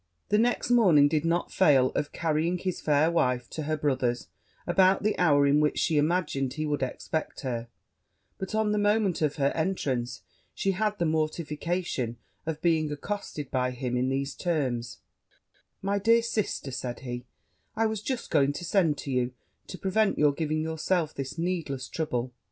The next morning did not fail of carrying his fair wife to her brother's about the hour in which she imagined he would expect her; but on the moment of her entrance, she had the mortification of being accosted by him in these terms: 'My dear sister,' said he, 'I was just going to send to you, to prevent your giving yourself this needless trouble.